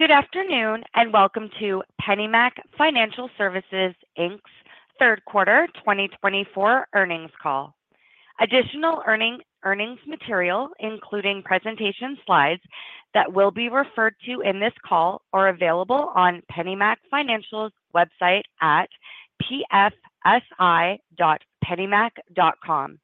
Good afternoon, and welcome to PennyMac Financial Services, Inc's third quarter 2024 earnings call. Additional earnings material, including presentation slides that will be referred to in this call, are available on PennyMac Financial's website at pfsi.pennymac.com.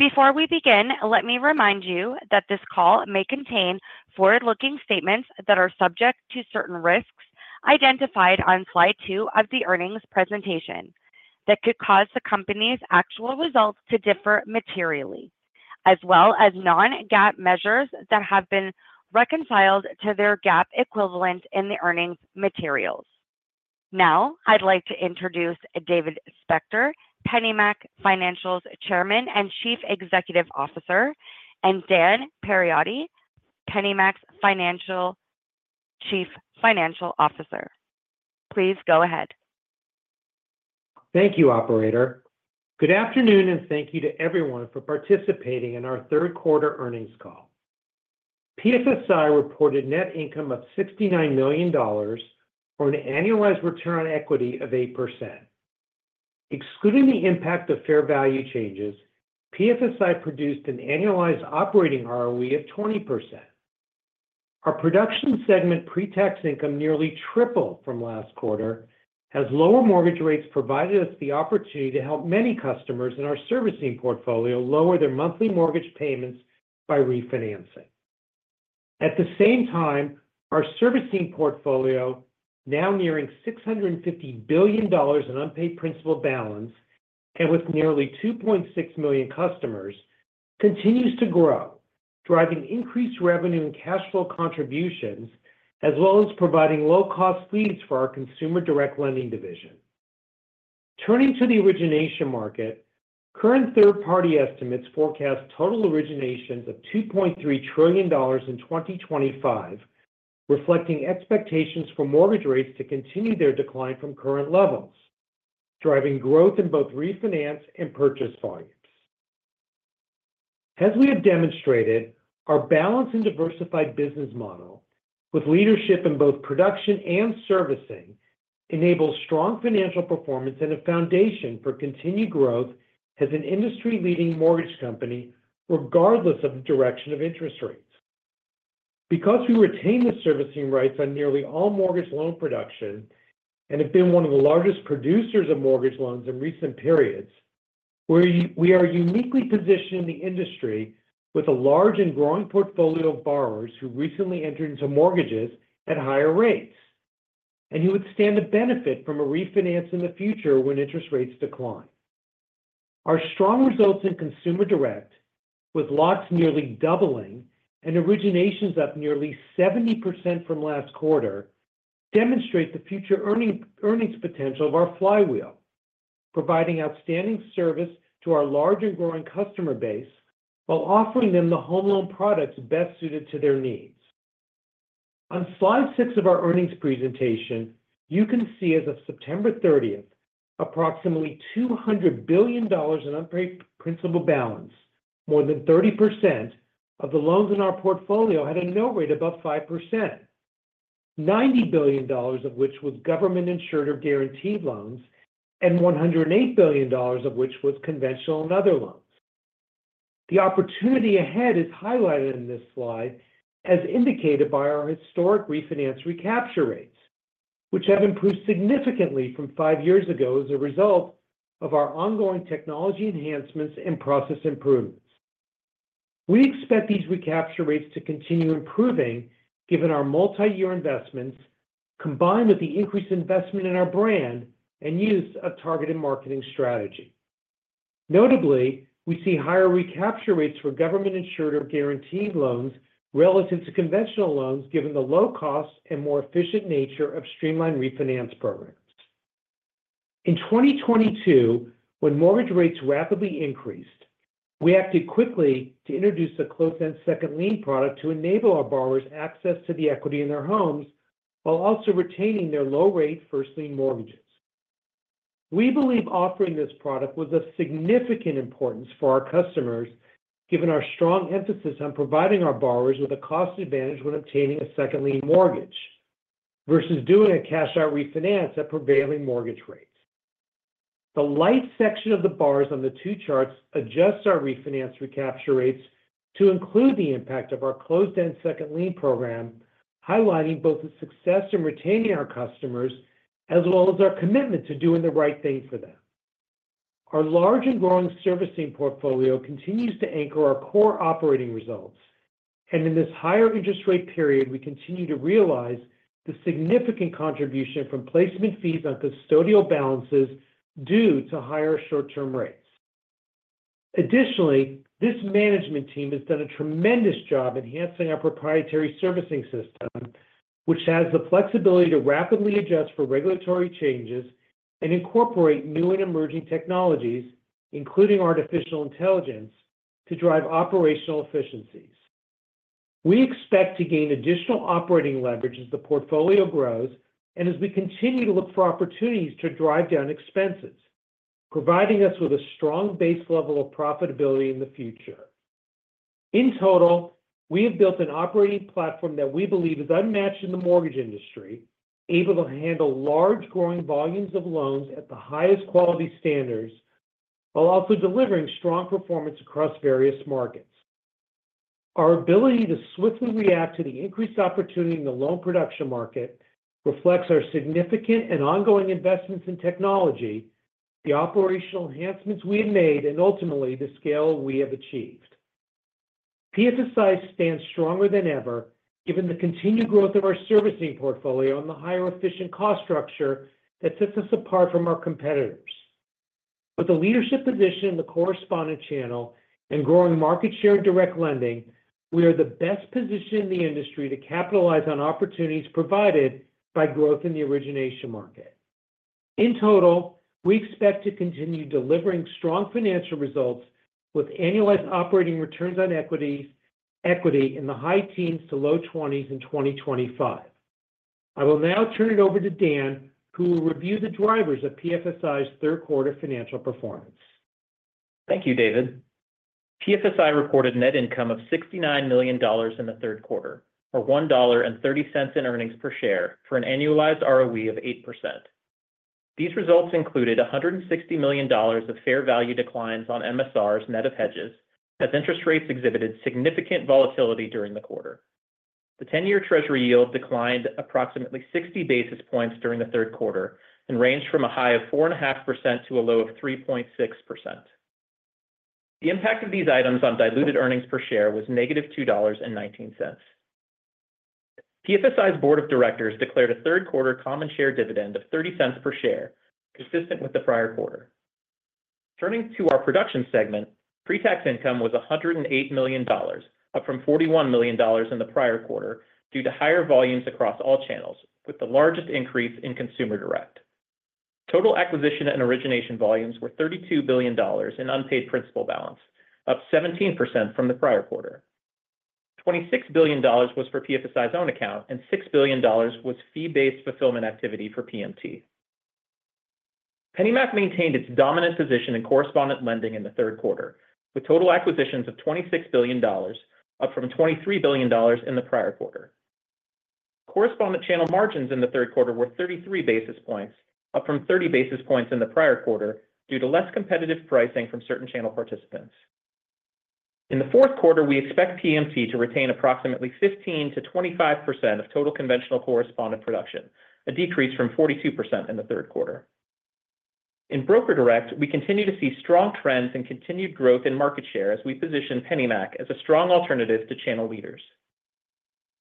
Before we begin, let me remind you that this call may contain forward-looking statements that are subject to certain risks identified on Slide 2 of the earnings presentation that could cause the company's actual results to differ materially, as well as non-GAAP measures that have been reconciled to their GAAP equivalent in the earnings materials. Now, I'd like to introduce David Spector, PennyMac Financial's Chairman and Chief Executive Officer, and Dan Perotti, PennyMac's Chief Financial Officer. Please go ahead. Thank you, operator. Good afternoon, and thank you to everyone for participating in our third quarter earnings call. PFSI reported net income of $69 million for an annualized return on equity of 8%. Excluding the impact of fair value changes, PFSI produced an annualized operating ROE of 20%. Our production segment pre-tax income nearly tripled from last quarter, as lower mortgage rates provided us the opportunity to help many customers in our servicing portfolio lower their monthly mortgage payments by refinancing. At the same time, our servicing portfolio, now nearing $650 billion in unpaid principal balance and with nearly 2.6 million customers, continues to grow, driving increased revenue and cash flow contributions, as well as providing low-cost leads for our Consumer Direct lending division. Turning to the origination market, current third-party estimates forecast total originations of $2.3 trillion in 2025, reflecting expectations for mortgage rates to continue their decline from current levels, driving growth in both refinance and purchase volumes. As we have demonstrated, our balanced and diversified business model, with leadership in both production and servicing, enables strong financial performance and a foundation for continued growth as an industry-leading mortgage company, regardless of the direction of interest rates. Because we retain the servicing rights on nearly all mortgage loan production and have been one of the largest producers of mortgage loans in recent periods, we are uniquely positioned in the industry with a large and growing portfolio of borrowers who recently entered into mortgages at higher rates, and who would stand to benefit from a refinance in the future when interest rates decline. Our strong results in Consumer Direct, with locks nearly doubling and originations up nearly 70% from last quarter, demonstrate the future earnings potential of our flywheel, providing outstanding service to our large and growing customer base while offering them the home loan products best suited to their needs. On Slide 6 of our earnings presentation, you can see, as of September thirtieth, approximately $200 billion in unpaid principal balance. More than 30% of the loans in our portfolio had a note rate above 5%, $90 billion of which was government-insured or guaranteed loans, and $108 billion of which was conventional and other loans. The opportunity ahead is highlighted in this slide, as indicated by our historic refinance recapture rates, which have improved significantly from five years ago as a result of our ongoing technology enhancements and process improvements. We expect these recapture rates to continue improving given our multi-year investments, combined with the increased investment in our brand and use of targeted marketing strategy. Notably, we see higher recapture rates for government-insured or guaranteed loans relative to conventional loans, given the low cost and more efficient nature of streamlined refinance programs. In 2022, when mortgage rates rapidly increased, we acted quickly to introduce a closed-end second lien product to enable our borrowers access to the equity in their homes while also retaining their low-rate first lien mortgages. We believe offering this product was of significant importance for our customers, given our strong emphasis on providing our borrowers with a cost advantage when obtaining a second lien mortgage versus doing a cash-out refinance at prevailing mortgage rates. The light section of the bars on the two charts adjusts our refinance recapture rates to include the impact of our closed-end second lien program, highlighting both the success in retaining our customers as well as our commitment to doing the right thing for them. Our large and growing servicing portfolio continues to anchor our core operating results, and in this higher interest rate period, we continue to realize the significant contribution from placement fees on custodial balances due to higher short-term rates. Additionally, this management team has done a tremendous job enhancing our proprietary servicing system, which has the flexibility to rapidly adjust for regulatory changes and incorporate new and emerging technologies, including artificial intelligence, to drive operational efficiencies. We expect to gain additional operating leverage as the portfolio grows and as we continue to look for opportunities to drive down expenses, providing us with a strong base level of profitability in the future. In total, we have built an operating platform that we believe is unmatched in the mortgage industry, able to handle large growing volumes of loans at the highest quality standards, while also delivering strong performance across various markets. Our ability to swiftly react to the increased opportunity in the loan production market reflects our significant and ongoing investments in technology, the operational enhancements we have made, and ultimately, the scale we have achieved. PFSI stands stronger than ever, given the continued growth of our servicing portfolio and the higher efficient cost structure that sets us apart from our competitors. With a leadership position in the correspondent channel and growing market share in direct lending, we are the best positioned in the industry to capitalize on opportunities provided by growth in the origination market. In total, we expect to continue delivering strong financial results with annualized operating return on equity in the high teens to low 20s in 2025. I will now turn it over to Dan, who will review the drivers of PFSI's third quarter financial performance. Thank you, David. PFSI reported net income of $69 million in the third quarter, or $1.30 in earnings per share for an annualized ROE of 8%. These results included $160 million of fair value declines on MSRs net of hedges, as interest rates exhibited significant volatility during the quarter. The ten-year Treasury yield declined approximately 60 basis points during the third quarter and ranged from a high of 4.5% to a low of 3.6%. The impact of these items on diluted earnings per share was -$2.19. PFSI's board of directors declared a third quarter common share dividend of $0.30 per share, consistent with the prior quarter. Turning to our production segment, pre-tax income was $108 million, up from $41 million in the prior quarter, due to higher volumes across all channels, with the largest increase in Consumer Direct. Total acquisition and origination volumes were $32 billion in unpaid principal balance, up 17% from the prior quarter. $26 billion was for PFSI's own account, and $6 billion was fee-based fulfillment activity for PMT. PennyMac maintained its dominant position in correspondent lending in the third quarter, with total acquisitions of $26 billion, up from $23 billion in the prior quarter. Correspondent channel margins in the third quarter were 33 basis points, up from 30 basis points in the prior quarter, due to less competitive pricing from certain channel participants. In the fourth quarter, we expect PMT to retain approximately 15%-25% of total conventional correspondent production, a decrease from 42% in the third quarter. In Broker Direct, we continue to see strong trends and continued growth in market share as we position PennyMac as a strong alternative to channel leaders.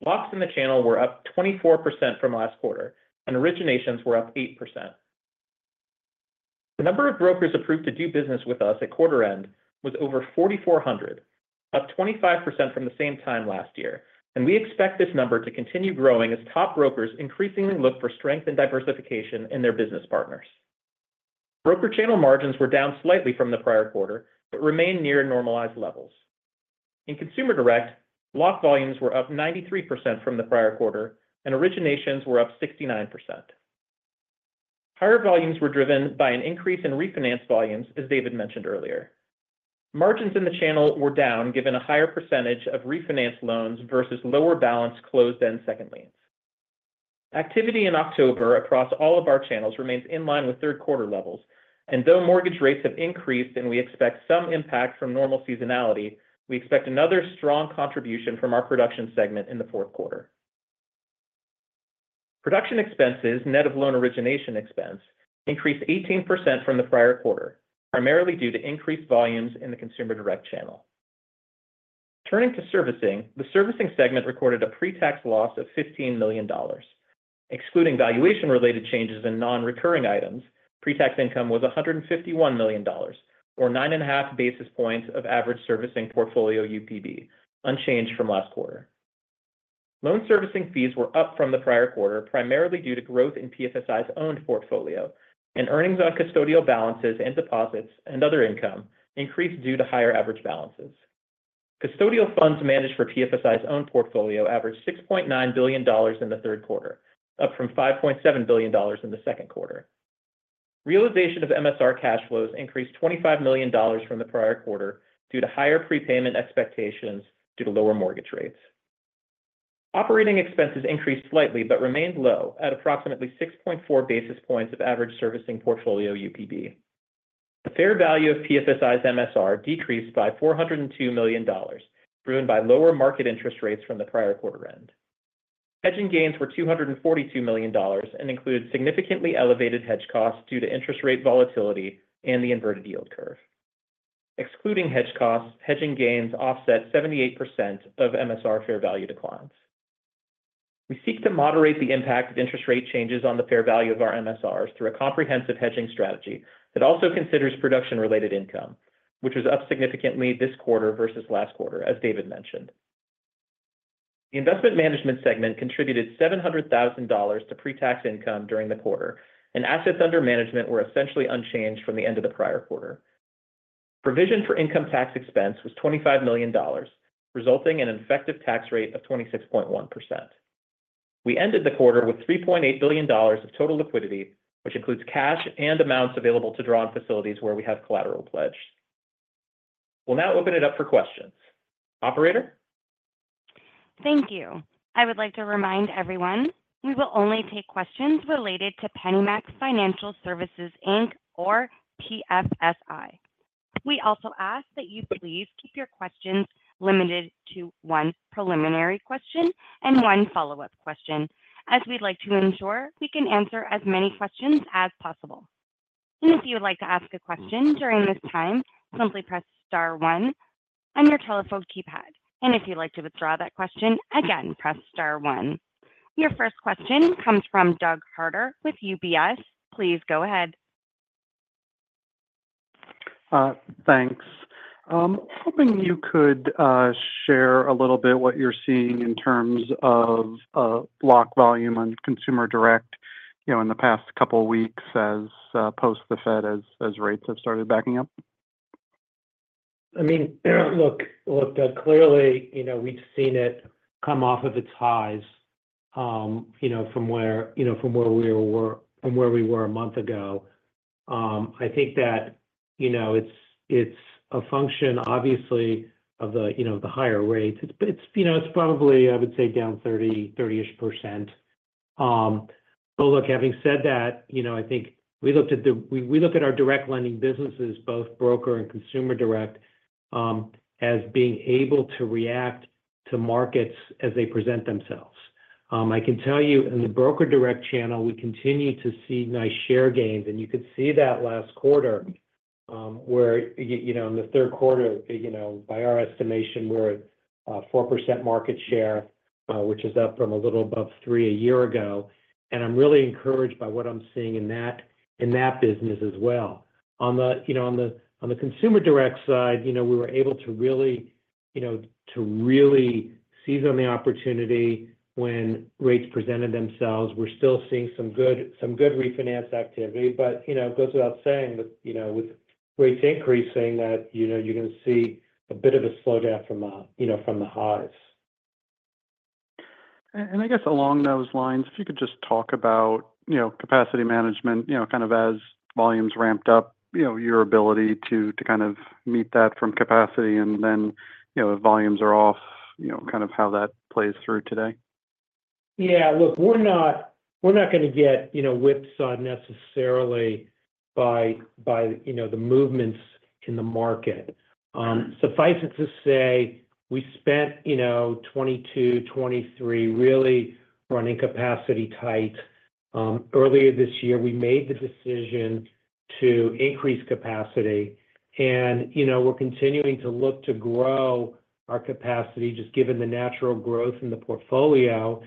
Locks in the channel were up 24% from last quarter, and originations were up 8%. The number of brokers approved to do business with us at quarter end was over 4,400, up 25% from the same time last year, and we expect this number to continue growing as top brokers increasingly look for strength and diversification in their business partners. Broker channel margins were down slightly from the prior quarter, but remained near normalized levels. In Consumer Direct, lock volumes were up 93% from the prior quarter, and originations were up 69%. Higher volumes were driven by an increase in refinance volumes, as David mentioned earlier. Margins in the channel were down, given a higher percentage of refinanced loans versus lower balance closed-end second liens. Activity in October across all of our channels remains in line with third quarter levels, and though mortgage rates have increased and we expect some impact from normal seasonality, we expect another strong contribution from our production segment in the fourth quarter. Production expenses, net of loan origination expense, increased 18% from the prior quarter, primarily due to increased volumes in the Consumer Direct channel. Turning to servicing, the servicing segment recorded a pre-tax loss of $15 million. Excluding valuation-related changes in non-recurring items, pre-tax income was $151 million, or 9.5 basis points of average servicing portfolio UPB, unchanged from last quarter. Loan servicing fees were up from the prior quarter, primarily due to growth in PFSI's owned portfolio, and earnings on custodial balances and deposits and other income increased due to higher average balances. Custodial funds managed for PFSI's own portfolio averaged $6.9 billion in the third quarter, up from $5.7 billion in the second quarter. Realization of MSR cash flows increased $25 million from the prior quarter due to higher prepayment expectations due to lower mortgage rates. Operating expenses increased slightly, but remained low at approximately 6.4 basis points of average servicing portfolio UPB. The fair value of PFSI's MSR decreased by $402 million, driven by lower market interest rates from the prior quarter end. Hedging gains were $242 million and include significantly elevated hedge costs due to interest rate volatility and the inverted yield curve. Excluding hedge costs, hedging gains offset 78% of MSR fair value declines. We seek to moderate the impact of interest rate changes on the fair value of our MSRs through a comprehensive hedging strategy that also considers production-related income, which is up significantly this quarter versus last quarter, as David mentioned. The investment management segment contributed $700,000 to pre-tax income during the quarter, and assets under management were essentially unchanged from the end of the prior quarter. Provision for income tax expense was $25 million, resulting in an effective tax rate of 26.1%. We ended the quarter with $3.8 billion of total liquidity, which includes cash and amounts available to draw on facilities where we have collateral pledged. We'll now open it up for questions. Operator? Thank you. I would like to remind everyone, we will only take questions related to PennyMac Financial Services, Inc, or PFSI. We also ask that you please keep your questions limited to one preliminary question and one follow-up question, as we'd like to ensure we can answer as many questions as possible. And if you would like to ask a question during this time, simply press star one on your telephone keypad. And if you'd like to withdraw that question, again, press star one. Your first question comes from Doug Harter with UBS. Please go ahead. Thanks. Hoping you could share a little bit what you're seeing in terms of lock volume on Consumer Direct, you know, in the past couple of weeks as post the Fed, rates have started backing up. I mean, look, look, clearly, you know, we've seen it come off of its highs, from where we were a month ago. I think that, you know, it's a function, obviously, of the higher rates. It's probably, I would say, down 30%, 30-ish%. But look, having said that, you know, I think we look at our direct lending businesses, both Broker Direct and Consumer Direct, as being able to react to markets as they present themselves. I can tell you in the Broker Direct channel, we continue to see nice share gains, and you could see that last quarter, where you know, in the third quarter, you know, by our estimation, we're at 4% market share, which is up from a little above 3% a year ago. And I'm really encouraged by what I'm seeing in that business as well. On the Consumer Direct side, you know, we were able to really, you know, to really seize on the opportunity when rates presented themselves. We're still seeing some good refinance activity, but, you know, it goes without saying that, you know, with rates increasing, that, you know, you're going to see a bit of a slowdown from the highs. I guess along those lines, if you could just talk about, you know, capacity management, you know, kind of as volumes ramped up, you know, your ability to kind of meet that from capacity, and then, you know, if volumes are off, you know, kind of how that plays through today. Yeah, look, we're not going to get, you know, whipsawed necessarily by the movements in the market. Suffice it to say, we spent, you know, 2022, 2023, really running capacity tight. Earlier this year, we made the decision to increase capacity and, you know, we're continuing to look to grow our capacity, just given the natural growth in the portfolio.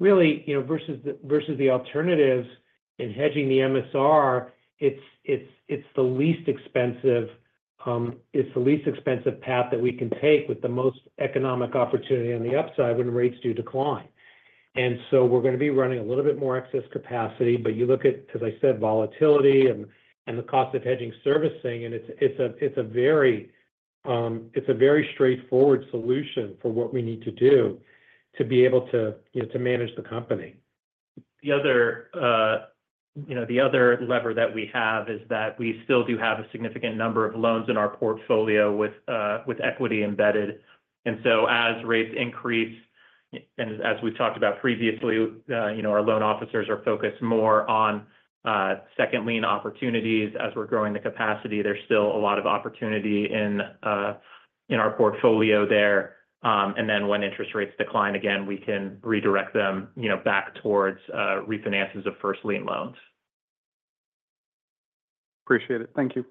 Really, you know, versus the alternatives in hedging the MSR, it's the least expensive path that we can take with the most economic opportunity on the upside when rates do decline. And so we're going to be running a little bit more excess capacity, but you look at, as I said, volatility and the cost of hedging servicing, and it's a very straightforward solution for what we need to do to be able to, you know, to manage the company. The other, you know, the other lever that we have is that we still do have a significant number of loans in our portfolio with equity embedded. And so as rates increase, and as we talked about previously, you know, our loan officers are focused more on second lien opportunities as we're growing the capacity. There's still a lot of opportunity in our portfolio there. And then when interest rates decline again, we can redirect them, you know, back towards refinances of first lien loans. Appreciate it. Thank you.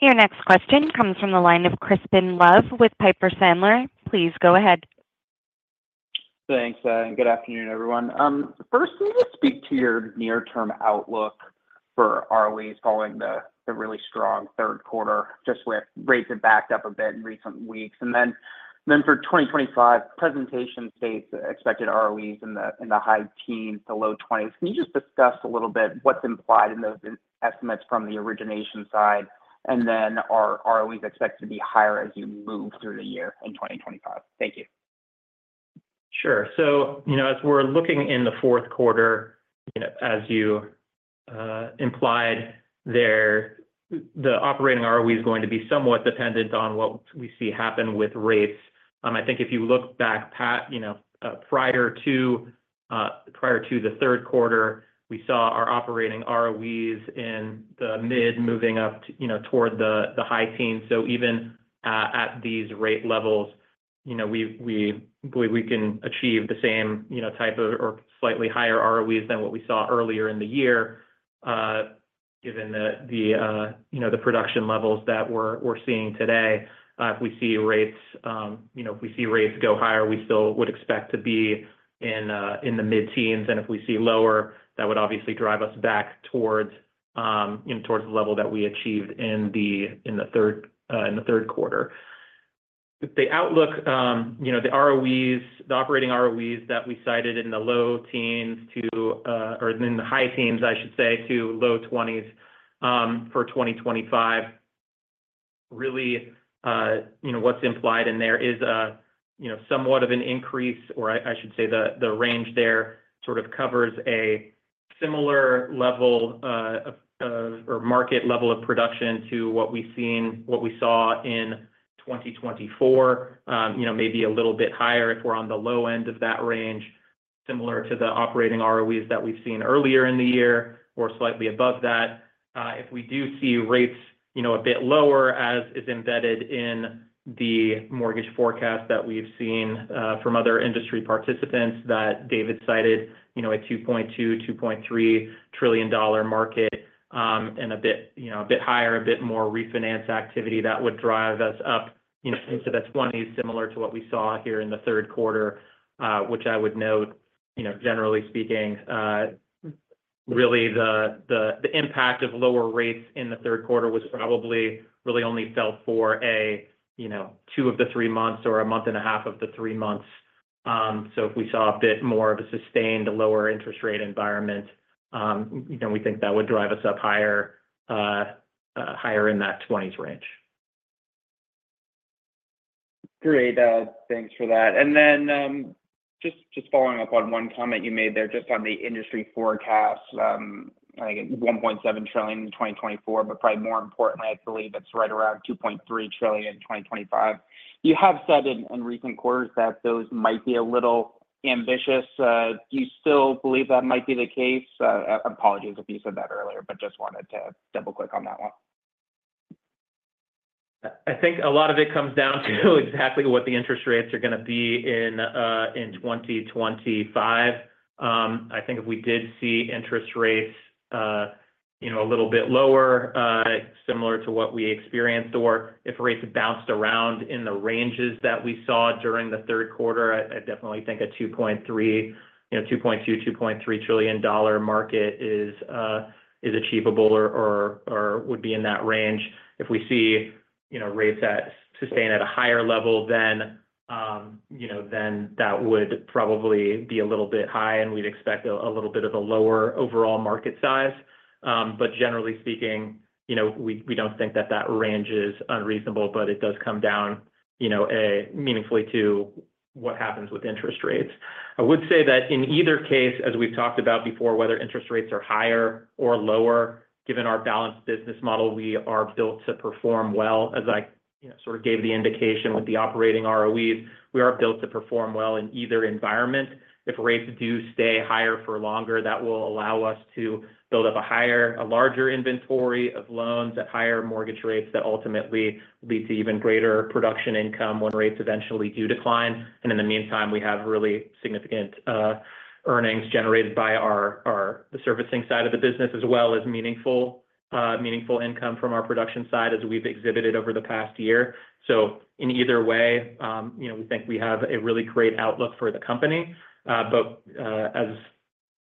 Your next question comes from the line of Crispin Love with Piper Sandler. Please go ahead. Thanks, and good afternoon, everyone. Firstly, just speak to your near-term outlook for ROEs following the really strong third quarter, just with rates have backed up a bit in recent weeks. And then for 2025 presentation states, expected ROEs in the high teens to low 20s. Can you just discuss a little bit what's implied in those estimates from the origination side, and then are ROEs expected to be higher as you move through the year in 2025? Thank you. Sure. So, you know, as we're looking in the fourth quarter, you know, as you implied there, the operating ROE is going to be somewhat dependent on what we see happen with rates. I think if you look back, you know, prior to the third quarter, we saw our operating ROEs in the mid moving up, you know, toward the high teens. So even at these rate levels, you know, we believe we can achieve the same, you know, type of, or slightly higher ROEs than what we saw earlier in the year, given the, you know, the production levels that we're seeing today. If we see rates, you know, if we see rates go higher, we still would expect to be in the mid-teens, and if we see lower, that would obviously drive us back towards, you know, towards the level that we achieved in the third quarter. The outlook, you know, the ROEs, the operating ROEs that we cited in the low teens to, or in the high teens, I should say, to low 20s, for 2025. Really, you know, what's implied in there is, you know, somewhat of an increase, or I should say the range there sort of covers a similar level, or market level of production to what we saw in 2024. You know, maybe a little bit higher if we're on the low end of that range, similar to the operating ROEs that we've seen earlier in the year or slightly above that. If we do see rates, you know, a bit lower, as is embedded in the mortgage forecast that we've seen from other industry participants that David cited, you know, a $2.2 trillion-$2.3 trillion dollar market, and a bit, you know, a bit higher, a bit more refinance activity that would drive us up, you know. So that's one is similar to what we saw here in the third quarter, which I would note, you know, generally speaking, really the impact of lower rates in the third quarter was probably really only felt for a, you know, two of the three months or a month and a half of the three months. So if we saw a bit more of a sustained lower interest rate environment, you know, we think that would drive us up higher, higher in that 20s range. Great, thanks for that. And then, just, just following up on one comment you made there just on the industry forecast, I get $1.7 trillion in 2024, but probably more importantly, I believe it's right around $2.3 trillion in 2025. You have said in recent quarters that those might be a little ambitious. Do you still believe that might be the case? I apologize if you said that earlier, but just wanted to double-click on that one. I think a lot of it comes down to exactly what the interest rates are going to be in 2025. I think if we did see interest rates, you know, a little bit lower, similar to what we experienced, or if rates bounced around in the ranges that we saw during the third quarter, I definitely think a $2.3 trillion, you know, $2.2 trillion-$2.3 trillion dollar market is achievable or would be in that range. If we see, you know, rates sustained at a higher level, then you know, then that would probably be a little bit high, and we'd expect a little bit of a lower overall market size. But generally speaking, you know, we don't think that range is unreasonable, but it does come down, you know, meaningfully to what happens with interest rates. I would say that in either case, as we've talked about before, whether interest rates are higher or lower, given our balanced business model, we are built to perform well. As I, you know, sort of gave the indication with the operating ROEs, we are built to perform well in either environment. If rates do stay higher for longer, that will allow us to build up a larger inventory of loans at higher mortgage rates that ultimately lead to even greater production income when rates eventually do decline. And in the meantime, we have really significant earnings generated by the servicing side of the business, as well as meaningful income from our production side, as we've exhibited over the past year. So in either way, you know, we think we have a really great outlook for the company. But,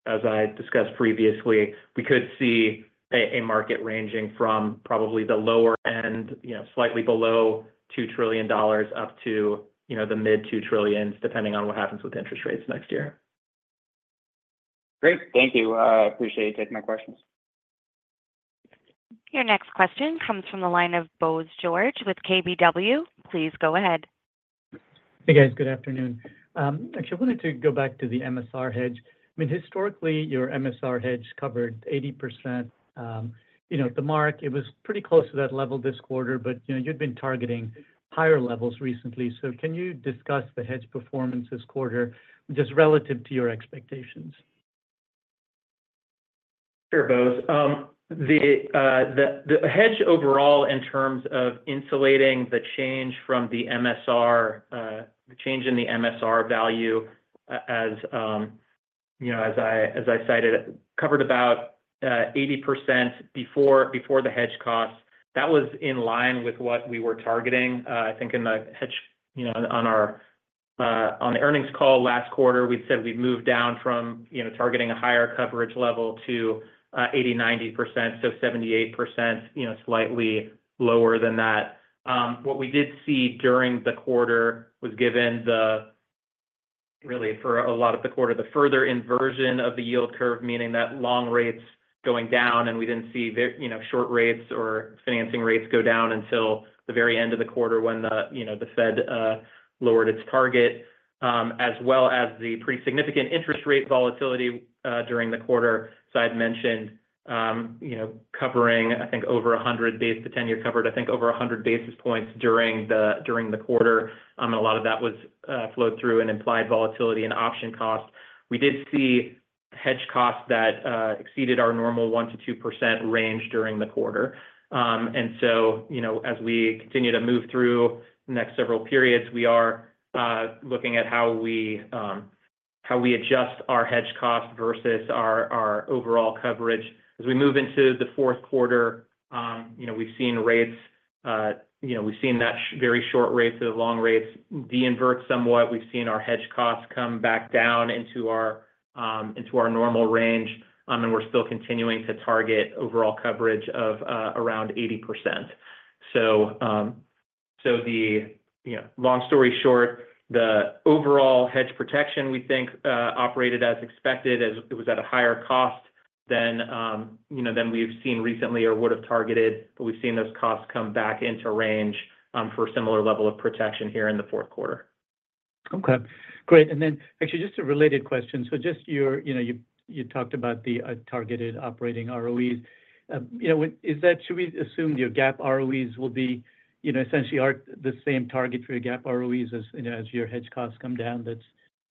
as I discussed previously, we could see a market ranging from probably the lower end, you know, slightly below $2 trillion, up to, you know, the mid-$2 trillions, depending on what happens with interest rates next year. Great. Thank you. Appreciate you taking my questions. Your next question comes from the line of Bose George with KBW. Please go ahead. Hey, guys. Good afternoon. Actually, I wanted to go back to the MSR hedge. I mean, historically, your MSR hedge covered 80%. You know, the mark, it was pretty close to that level this quarter, but, you know, you'd been targeting higher levels recently. So can you discuss the hedge performance this quarter, just relative to your expectations? Sure, Bose. The hedge overall, in terms of insulating the change from the MSR, the change in the MSR value, as you know, as I cited, it covered about 80% before the hedge costs. That was in line with what we were targeting. I think in the hedge, you know, on the earnings call last quarter, we said we've moved down from, you know, targeting a higher coverage level to 80%-90%, so 78%, you know, slightly lower than that. What we did see during the quarter was, given the really, for a lot of the quarter, the further inversion of the yield curve, meaning that long rates going down, and we didn't see you know short rates or financing rates go down until the very end of the quarter when you know the Fed lowered its target, as well as the pretty significant interest rate volatility during the quarter. So I'd mentioned, you know, covering, I think, over 100 basis to 10-year covered, I think, over 100 basis points during the quarter. A lot of that was flowed through in implied volatility and option costs. We did see hedge costs that exceeded our normal 1%-2% range during the quarter. And so, you know, as we continue to move through the next several periods, we are looking at how we adjust our hedge cost versus our overall coverage. As we move into the fourth quarter, you know, we've seen rates, you know, we've seen that very short rates or long rates de-invert somewhat. We've seen our hedge costs come back down into our normal range, and we're still continuing to target overall coverage of around 80%. So, the, you know, long story short, the overall hedge protection, we think, operated as expected, as it was at a higher cost than, you know, than we've seen recently or would have targeted. But we've seen those costs come back into range for a similar level of protection here in the fourth quarter. Okay, great. And then actually just a related question. So just your you know, you talked about the targeted operating ROEs. You know, is that should we assume your GAAP ROEs will be, you know, essentially are the same target for your GAAP ROEs as, you know, as your hedge costs come down, that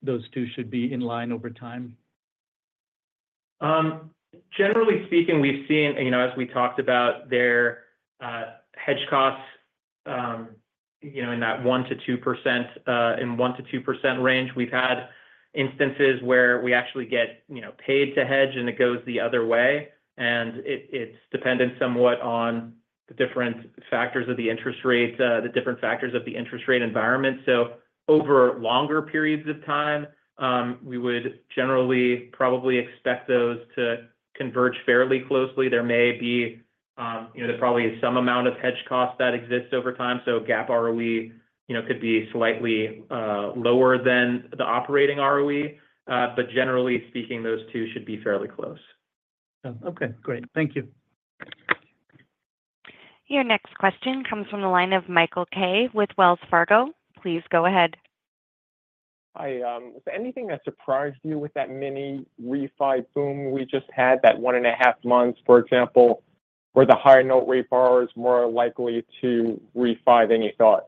those two should be in line over time? Generally speaking, we've seen, you know, as we talked about their hedge costs, you know, in that 1%-2% range. We've had instances where we actually get, you know, paid to hedge, and it goes the other way, and it's dependent somewhat on the different factors of the interest rates, the different factors of the interest rate environment. So over longer periods of time, we would generally probably expect those to converge fairly closely. There may be, you know, there's probably some amount of hedge cost that exists over time, so GAAP ROE, you know, could be slightly lower than the operating ROE, but generally speaking, those two should be fairly close. Okay, great. Thank you. Your next question comes from the line of Michael Kaye with Wells Fargo. Please go ahead. Hi. Was there anything that surprised you with that mini refi boom we just had, that one and a half months, for example, where the high note rate borrower is more likely to refi than you thought?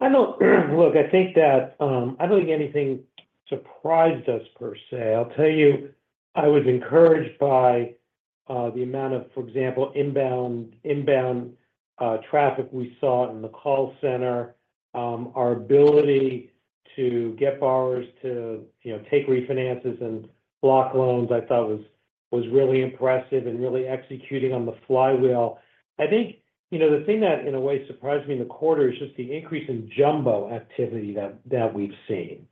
I don't think anything surprised us per se. I'll tell you, I was encouraged by the amount of, for example, inbound traffic we saw in the call center. Our ability to get borrowers to, you know, take refinances and block loans, I thought was really impressive and really executing on the flywheel. I think, you know, the thing that, in a way, surprised me in the quarter is just the increase in jumbo activity that we've seen.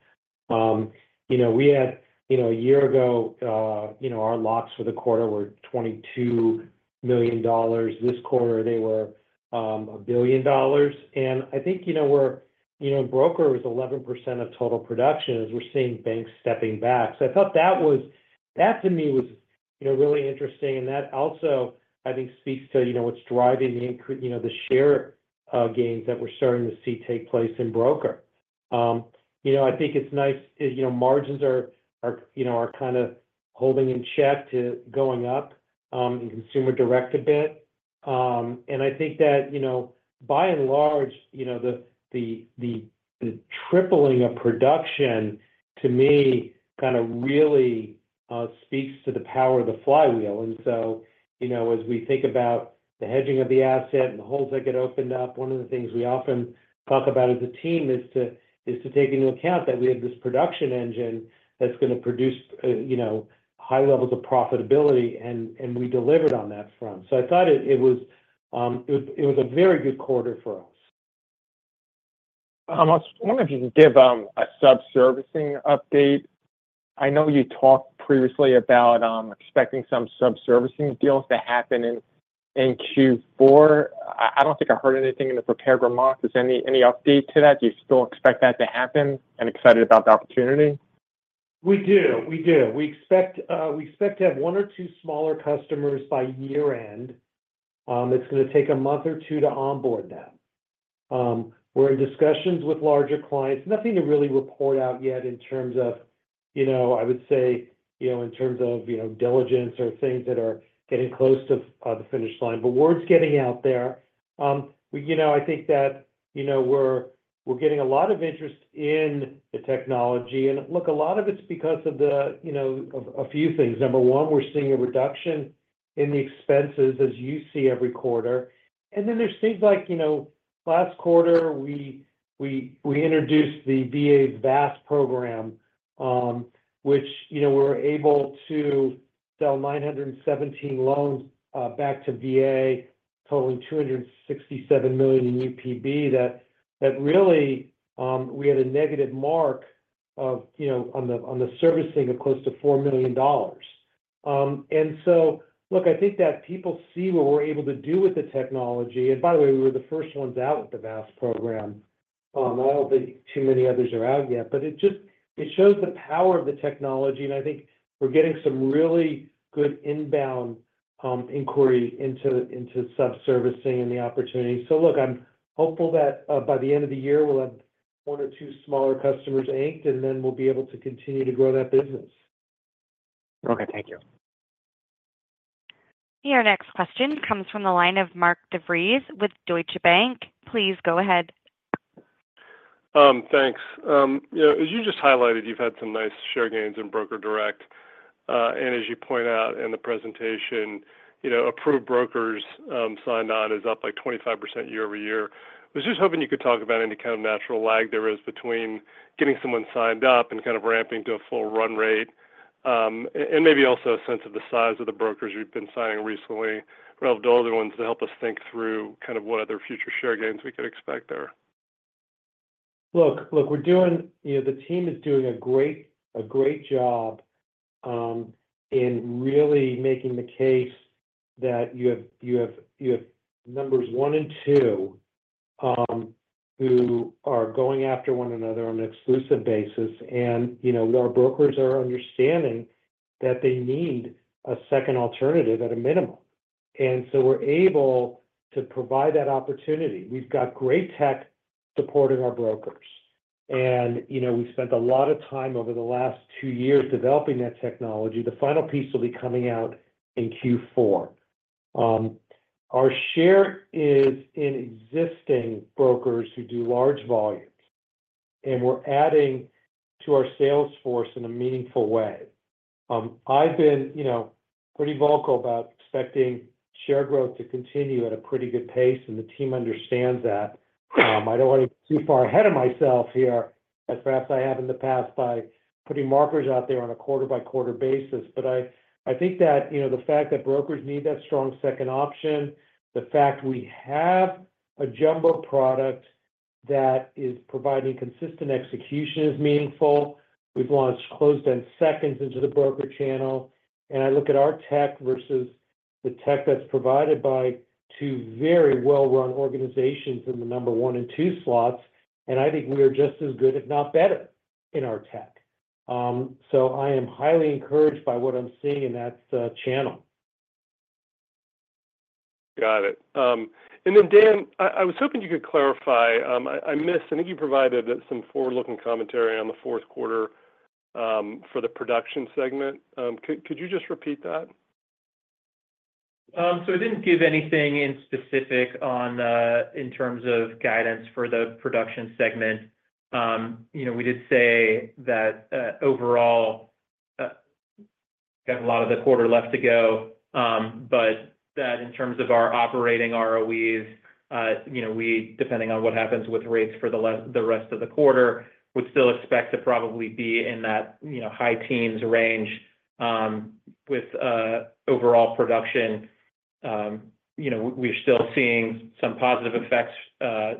You know, we had, you know, a year ago, you know, our locks for the quarter were $22 million. This quarter, they were $1 billion. And I think, you know, we're, you know, Broker was 11% of total production as we're seeing banks stepping back. So I thought that was, that to me was, you know, really interesting, and that also, I think, speaks to, you know, what's driving the increase, you know, the share gains that we're starting to see take place in Broker. You know, I think it's nice, you know, margins are kind of holding in check to going up in Consumer Direct a bit. And I think that, you know, by and large, you know, the tripling of production, to me, kind of really speaks to the power of the flywheel. And so, you know, as we think about the hedging of the asset and the holes that get opened up, one of the things we often talk about as a team is to take into account that we have this production engine that's going to produce, you know, high levels of profitability, and we delivered on that front. So I thought it was a very good quarter for us. I was wondering if you can give a subservicing update. I know you talked previously about expecting some subservicing deals to happen in Q4. I don't think I heard anything in the prepared remarks. Is there any update to that? Do you still expect that to happen and excited about the opportunity? We do. We do. We expect, we expect to have one or two smaller customers by year-end. It's going to take a month or two to onboard them. We're in discussions with larger clients. Nothing to really report out yet in terms of, you know, I would say, you know, in terms of, you know, diligence or things that are getting close to, the finish line, but word's getting out there. You know, I think that, you know, we're, we're getting a lot of interest in the technology. And look, a lot of it's because of the, you know, a few things. Number one, we're seeing a reduction in the expenses, as you see every quarter. And then there's things like, you know, last quarter, we introduced the VA VASP program, which, you know, we were able to sell 917 loans back to VA, totaling $267 million in UPB. That really we had a negative mark of, you know, on the servicing of close to $4 million. And so, look, I think that people see what we're able to do with the technology. And by the way, we were the first ones out with the VASP program. I don't think too many others are out yet, but it just shows the power of the technology, and I think we're getting some really good inbound inquiry into sub-servicing and the opportunity. So look, I'm hopeful that by the end of the year, we'll have one or two smaller customers inked, and then we'll be able to continue to grow that business. Okay, thank you. Your next question comes from the line of Mark DeVries with Deutsche Bank. Please go ahead. Thanks. You know, as you just highlighted, you've had some nice share gains in Broker Direct. And as you point out in the presentation, you know, approved brokers signed on is up, like, 25% year-over-year. I was just hoping you could talk about any kind of natural lag there is between getting someone signed up and kind of ramping to a full run rate. And maybe also a sense of the size of the brokers you've been signing recently, relevant to other ones, to help us think through kind of what other future share gains we could expect there. Look, we're doing, you know, the team is doing a great job in really making the case that you have numbers one and two who are going after one another on an exclusive basis. And, you know, our brokers are understanding that they need a second alternative at a minimum. And so we're able to provide that opportunity. We've got great tech supporting our brokers. And, you know, we spent a lot of time over the last two years developing that technology. The final piece will be coming out in Q4. Our share is in existing brokers who do large volumes, and we're adding to our sales force in a meaningful way. I've been, you know, pretty vocal about expecting share growth to continue at a pretty good pace, and the team understands that. I don't want to get too far ahead of myself here, as perhaps I have in the past by putting markers out there on a quarter-by-quarter basis. But I think that, you know, the fact that brokers need that strong second option, the fact we have a jumbo product that is providing consistent execution is meaningful. We've launched closed-end seconds into the Broker channel, and I look at our tech versus the tech that's provided by two very well-run organizations in the number one and two slots, and I think we are just as good, if not better, in our tech. So I am highly encouraged by what I'm seeing in that channel. Got it. And then, Dan, I was hoping you could clarify. I missed. I think you provided some forward-looking commentary on the fourth quarter for the production segment. Could you just repeat that? So I didn't give anything in specific on in terms of guidance for the production segment. You know, we did say that overall we have a lot of the quarter left to go, but that in terms of our operating ROEs you know we depending on what happens with rates for the rest of the quarter would still expect to probably be in that you know high teens range. With overall production you know we're still seeing some positive effects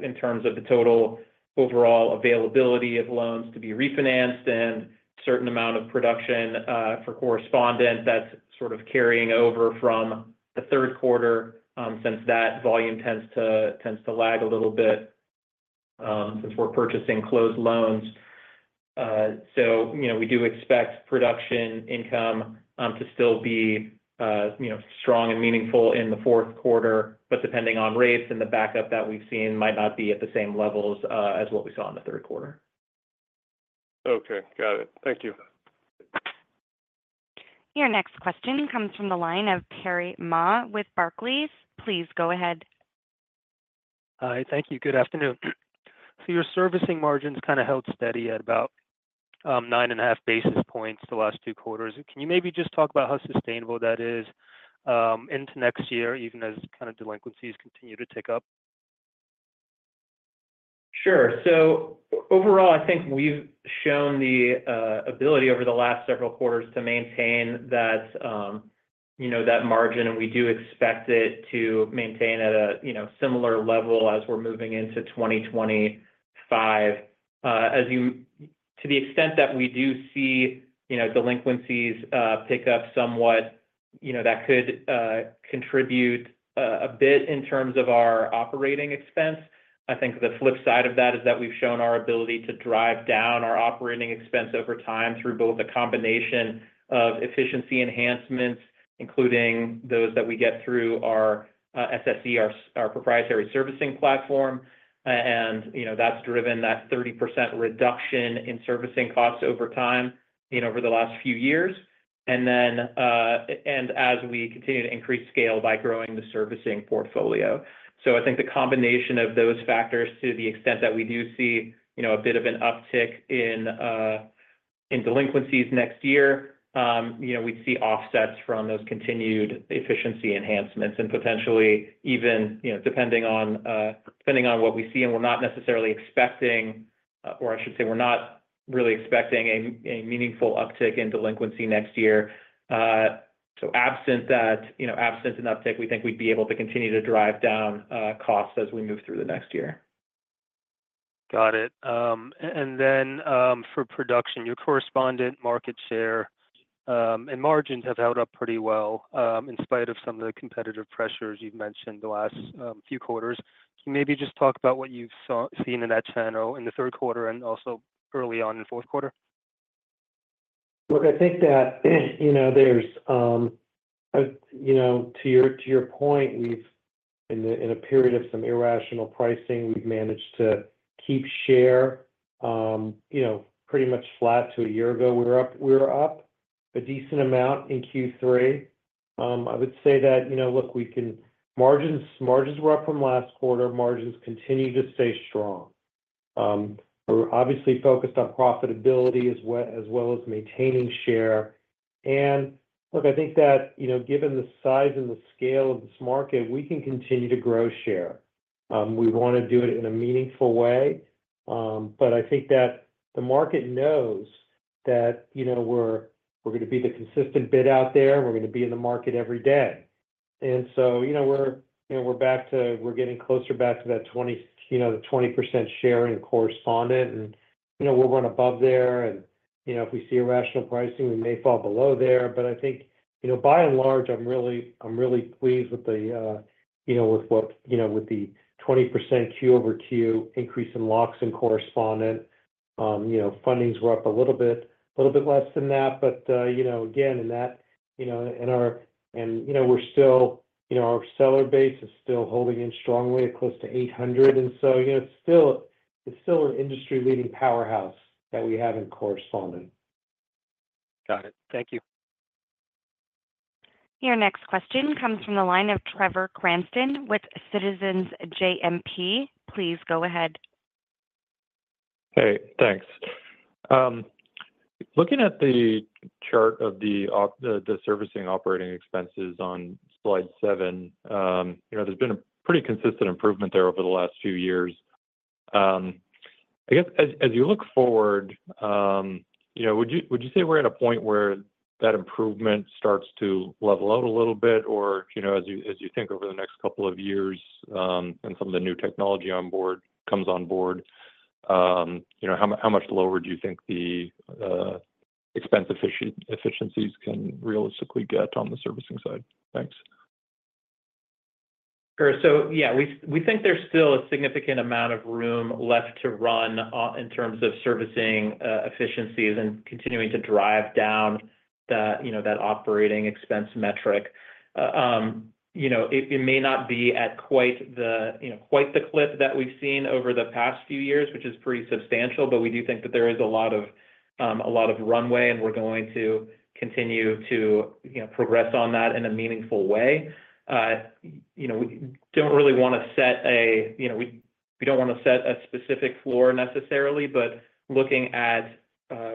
in terms of the total overall availability of loans to be refinanced and a certain amount of production for correspondent that's sort of carrying over from the third quarter since that volume tends to lag a little bit since we're purchasing closed loans. So, you know, we do expect production income to still be, you know, strong and meaningful in the fourth quarter, but depending on rates and the backup that we've seen, might not be at the same levels as what we saw in the third quarter. Okay, got it. Thank you. Your next question comes from the line of Terry Ma with Barclays. Please go ahead. Hi, thank you. Good afternoon. So your servicing margins kind of held steady at about nine and a half basis points the last two quarters. Can you maybe just talk about how sustainable that is into next year, even as kind of delinquencies continue to tick up? Sure. So overall, I think we've shown the ability over the last several quarters to maintain that, you know, that margin, and we do expect it to maintain at a, you know, similar level as we're moving into 2025. To the extent that we do see, you know, delinquencies pick up somewhat, you know, that could contribute a bit in terms of our operating expense. I think the flip side of that is that we've shown our ability to drive down our operating expense over time through both a combination of efficiency enhancements, including those that we get through our SSE, our proprietary servicing platform. And, you know, that's driven that 30% reduction in servicing costs over time, you know, over the last few years. And then as we continue to increase scale by growing the servicing portfolio. So I think the combination of those factors, to the extent that we do see, you know, a bit of an uptick in delinquencies next year, you know, we'd see offsets from those continued efficiency enhancements and potentially even, you know, depending on what we see, and we're not necessarily expecting, or I should say, we're not really expecting a meaningful uptick in delinquency next year. So absent that, you know, absent an uptick, we think we'd be able to continue to drive down costs as we move through the next year. Got it. And then, for production, your correspondent market share, and margins have held up pretty well, in spite of some of the competitive pressures you've mentioned the last, few quarters. Can you maybe just talk about what you've seen in that channel in the third quarter and also early on in the fourth quarter? Look, I think that, you know, there's, you know, to your, to your point, we've in a, in a period of some irrational pricing, we've managed to keep share, you know, pretty much flat to a year ago. We were up a decent amount in Q3. I would say that, you know, look, margins were up from last quarter. Margins continue to stay strong. We're obviously focused on profitability as well as maintaining share. And look, I think that, you know, given the size and the scale of this market, we can continue to grow share. We want to do it in a meaningful way, but I think that the market knows that, you know, we're going to be the consistent bid out there, and we're going to be in the market every day. And so, you know, we're getting closer back to that 20%, you know, the 20% share in correspondent. And, you know, we'll run above there, and, you know, if we see irrational pricing, we may fall below there. But I think, you know, by and large, I'm really pleased with the, you know, with what, you know, with the 20% Q over Q increase in locks and correspondent. You know, fundings were up a little bit less than that, but, you know, again, in that, you know, in our and, you know, we're still, you know, our seller base is still holding in strongly at close to 800. And so, you know, it's still an industry-leading powerhouse that we have in correspondent. Got it. Thank you. Your next question comes from the line of Trevor Cranston with Citizens JMP. Please go ahead. Hey, thanks. Looking at the chart of the servicing operating expenses on Slide 7, you know, there's been a pretty consistent improvement there over the last few years. I guess as you look forward, you know, would you say we're at a point where that improvement starts to level out a little bit? Or, you know, as you think over the next couple of years, and some of the new technology comes on board, you know, how much lower do you think the expense efficiencies can realistically get on the servicing side? Thanks. Sure. So yeah, we think there's still a significant amount of room left to run in terms of servicing efficiencies and continuing to drive down the, you know, that operating expense metric. You know, it may not be at quite the, you know, quite the clip that we've seen over the past few years, which is pretty substantial, but we do think that there is a lot of runway, and we're going to continue to, you know, progress on that in a meaningful way. You know, we don't really want to set a, you know, we don't want to set a specific floor necessarily, but looking at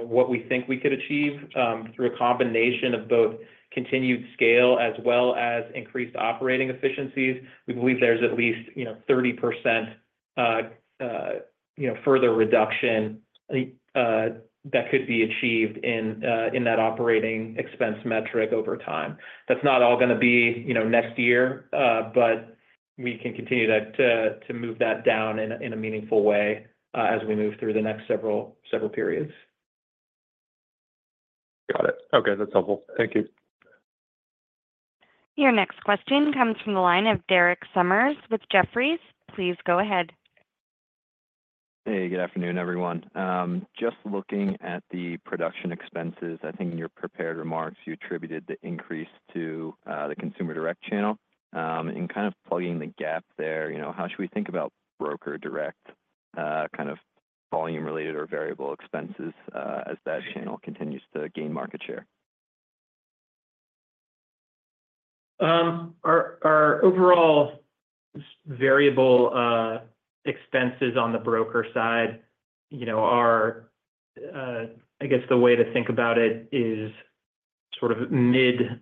what we think we could achieve through a combination of both continued scale as well as increased operating efficiencies, we believe there's at least, you know, 30%, you know, further reduction that could be achieved in that operating expense metric over time. That's not all going to be, you know, next year, but we can continue that to move that down in a meaningful way as we move through the next several periods. Got it. Okay, that's helpful. Thank you. Your next question comes from the line of Derek Sommers with Jefferies. Please go ahead. Hey, good afternoon, everyone. Just looking at the production expenses, I think in your prepared remarks, you attributed the increase to the Consumer Direct channel. In kind of plugging the gap there, you know, how should we think about Broker Direct kind of volume-related or variable expenses as that channel continues to gain market share? Our overall variable expenses on the Broker side, you know, are, I guess the way to think about it is sort of mid.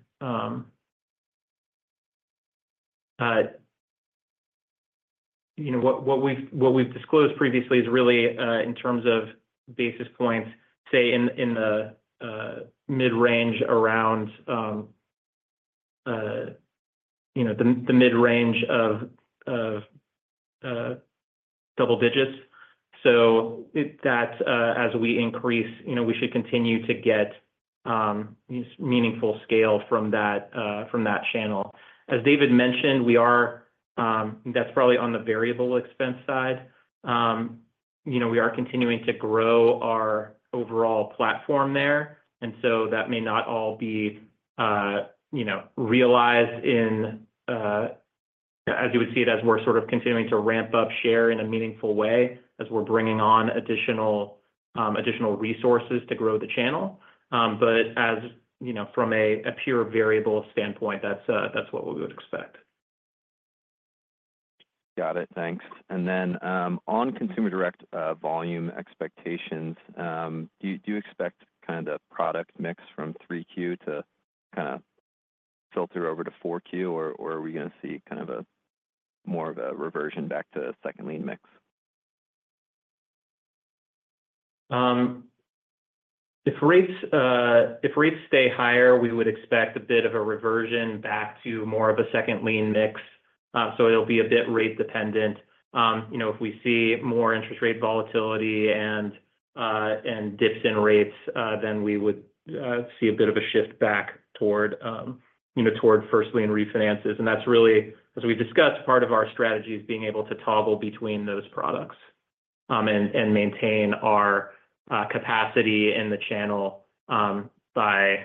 You know, what we've disclosed previously is really in terms of basis points, say, in the mid-range around, you know, the mid-range of double digits. So that, as we increase, you know, we should continue to get meaningful scale from that channel. As David mentioned, we are. That's probably on the variable expense side. You know, we are continuing to grow our overall platform there, and so that may not all be, you know, realized in, as you would see it, as we're sort of continuing to ramp up share in a meaningful way, as we're bringing on additional resources to grow the channel. But as, you know, from a pure variable standpoint, that's what we would expect. Got it. Thanks. And then, on Consumer Direct, volume expectations, do you expect kind of product mix from 3Q to kind of filter over to 4Q, or, are we going to see kind of a more of a reversion back to second lien mix? If rates stay higher, we would expect a bit of a reversion back to more of a second lien mix. So it'll be a bit rate dependent. You know, if we see more interest rate volatility and dips in rates, then we would see a bit of a shift back toward first lien refinances. And that's really, as we've discussed, part of our strategy is being able to toggle between those products and maintain our capacity in the channel by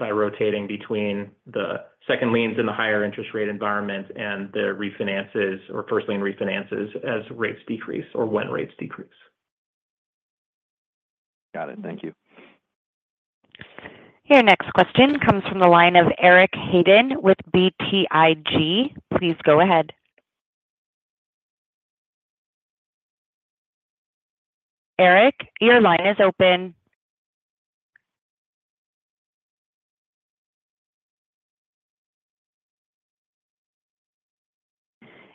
rotating between the second liens in the higher interest rate environment and the refinances or first lien refinances as rates decrease or when rates decrease. Got it. Thank you. Your next question comes from the line of Eric Hagen with BTIG. Please go ahead. Eric, your line is open.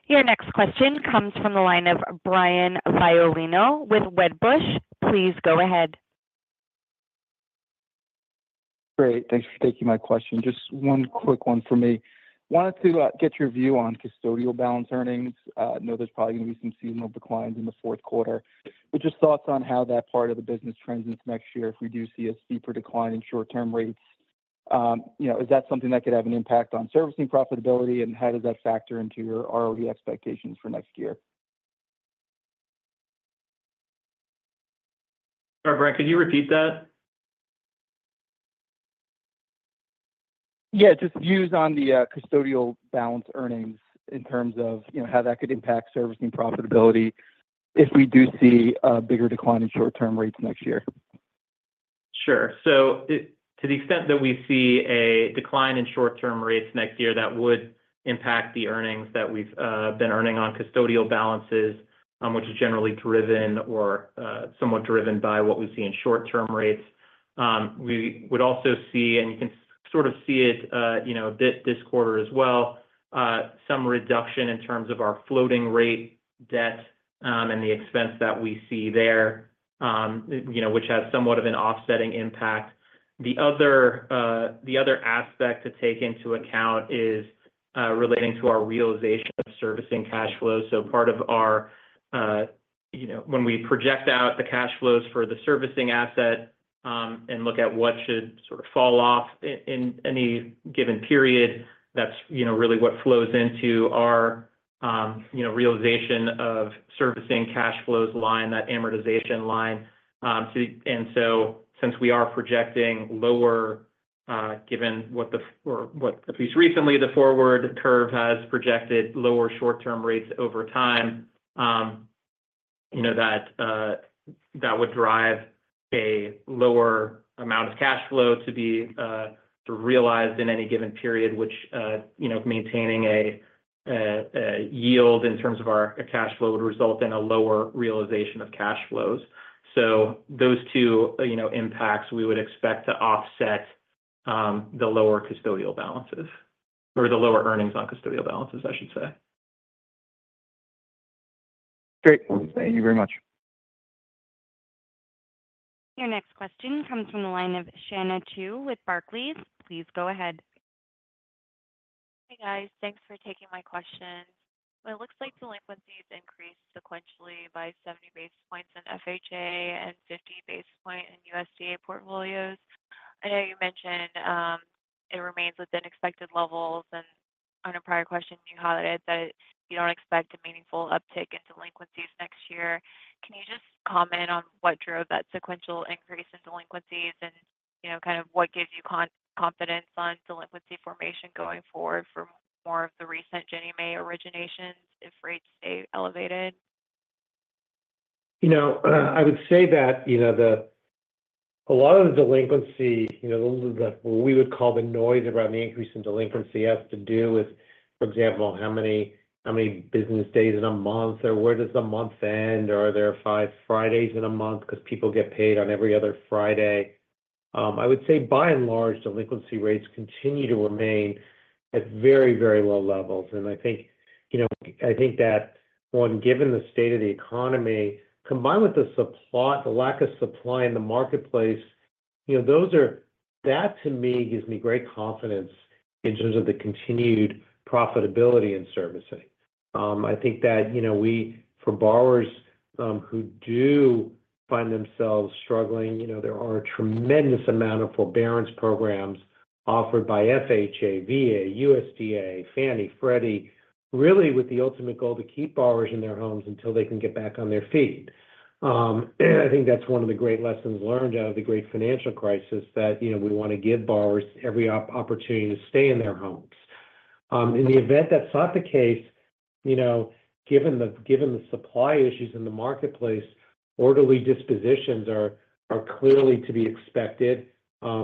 Your next question comes from the line of Brian Violino with Wedbush. Please go ahead. Great. Thanks for taking my question. Just one quick one for me. Wanted to get your view on custodial balance earnings. I know there's probably going to be some seasonal declines in the fourth quarter, but just thoughts on how that part of the business trends into next year if we do see a steeper decline in short-term rates. You know, is that something that could have an impact on servicing profitability? And how does that factor into your ROE expectations for next year? Sorry, Brian, can you repeat that? Yeah, just views on the custodial balance earnings in terms of, you know, how that could impact servicing profitability if we do see a bigger decline in short-term rates next year. Sure. So to the extent that we see a decline in short-term rates next year, that would impact the earnings that we've been earning on custodial balances, which is generally driven or somewhat driven by what we see in short-term rates. We would also see, and you can sort of see it, you know, this quarter as well, some reduction in terms of our floating rate debt, and the expense that we see there, you know, which has somewhat of an offsetting impact. The other aspect to take into account is relating to our realization of servicing cash flows. So part of our, you know, when we project out the cash flows for the servicing asset, and look at what should sort of fall off in any given period, that's, you know, really what flows into our, you know, realization of servicing cash flows line, that amortization line. So, and so since we are projecting lower, given what the Fed or what at least recently, the forward curve has projected lower short-term rates over time, you know, that, that would drive a lower amount of cash flow to be, to realize in any given period, which, you know, maintaining a yield in terms of our cash flow would result in a lower realization of cash flows. Those two, you know, impacts, we would expect to offset the lower custodial balances, or the lower earnings on custodial balances, I should say. Great. Thank you very much. Your next question comes from the line of Shanna Qiu with Barclays. Please go ahead. Hey, guys. Thanks for taking my question. Well, it looks like delinquencies increased sequentially by 70 basis points in FHA and 50 basis points in USDA portfolios. I know you mentioned, it remains within expected levels, and on a prior question, you highlighted that you don't expect a meaningful uptick in delinquencies next year. Can you just comment on what drove that sequential increase in delinquencies? And, you know, kind of what gives you confidence on delinquency formation going forward for more of the recent Ginnie Mae originations if rates stay elevated? You know, I would say that, you know, a lot of the delinquency, you know, that we would call the noise around the increase in delinquency, has to do with, for example, how many business days in a month or where does the month end, or are there five Fridays in a month? Because people get paid on every other Friday. I would say, by and large, delinquency rates continue to remain at very, very low levels, and I think, you know, I think that when given the state of the economy, combined with the supply, the lack of supply in the marketplace, you know, that, to me, gives me great confidence in terms of the continued profitability in servicing. I think that, you know, we, for borrowers, who do find themselves struggling, you know, there are a tremendous amount of forbearance programs offered by FHA, VA, USDA, Fannie, Freddie, really with the ultimate goal to keep borrowers in their homes until they can get back on their feet. And I think that's one of the great lessons learned out of the great financial crisis, that, you know, we want to give borrowers every opportunity to stay in their homes. In the event that's not the case, you know, given the supply issues in the marketplace, orderly dispositions are clearly to be expected,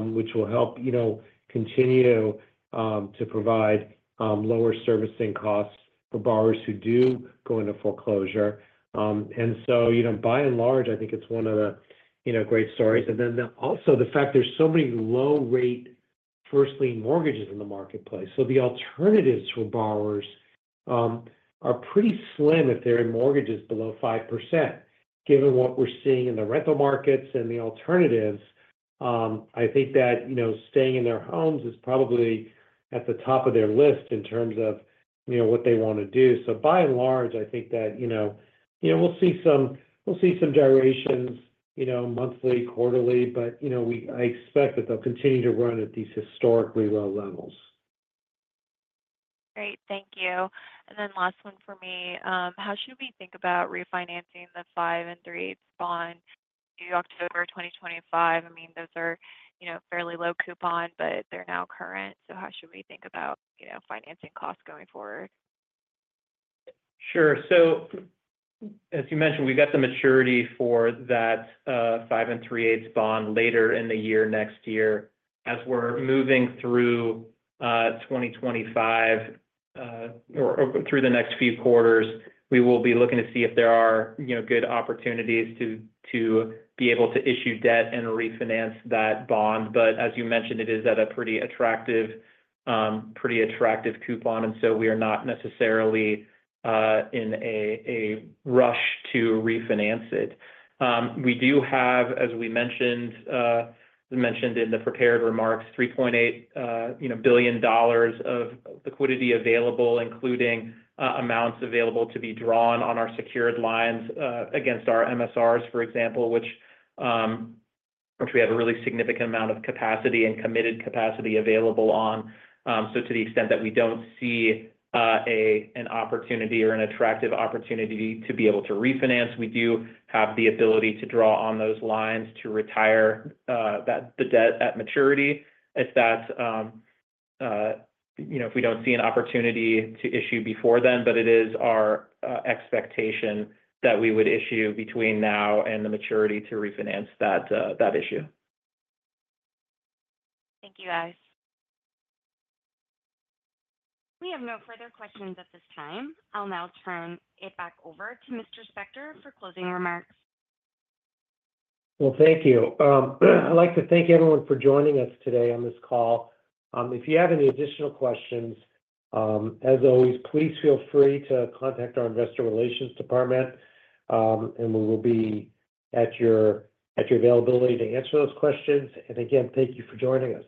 which will help, you know, continue to provide lower servicing costs for borrowers who do go into foreclosure. And so, you know, by and large, I think it's one of the great stories. Also, the fact there's so many low-rate first lien mortgages in the marketplace. So the alternatives for borrowers are pretty slim if they're in mortgages below 5%. Given what we're seeing in the rental markets and the alternatives, I think that, you know, staying in their homes is probably at the top of their list in terms of, you know, what they want to do. So by and large, I think that, you know, we'll see some gyrations, you know, monthly, quarterly, but, you know, I expect that they'll continue to run at these historically low levels. Great. Thank you. And then last one for me. How should we think about refinancing the 5.375% bond due October 2025? I mean, those are, you know, fairly low coupon, but they're now current. So how should we think about, you know, financing costs going forward? Sure. So as you mentioned, we've got the maturity for that five and three-eighths bond later in the year, next year. As we're moving through 2025 or through the next few quarters, we will be looking to see if there are, you know, good opportunities to be able to issue debt and refinance that bond. But as you mentioned, it is at a pretty attractive pretty attractive coupon, and so we are not necessarily in a rush to refinance it. We do have, as we mentioned mentioned in the prepared remarks, $3.8 billion of liquidity available, including amounts available to be drawn on our secured lines against our MSRs, for example, which we have a really significant amount of capacity and committed capacity available on. So to the extent that we don't see an opportunity or an attractive opportunity to be able to refinance, we do have the ability to draw on those lines to retire the debt at maturity. If that, you know, if we don't see an opportunity to issue before then, but it is our expectation that we would issue between now and the maturity to refinance that issue. Thank you, guys. We have no further questions at this time. I'll now turn it back over to Mr. Spector for closing remarks. Thank you. I'd like to thank everyone for joining us today on this call. If you have any additional questions, as always, please feel free to contact our investor relations department, and we will be at your availability to answer those questions. Again, thank you for joining us.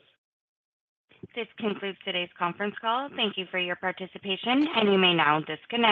This concludes today's conference call. Thank you for your participation, and you may now disconnect.